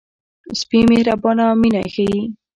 سپي مهرباني او مینه ښيي.